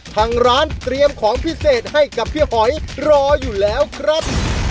ทางร้านเตรียมของพิเศษให้กับพี่หอยรออยู่แล้วครับ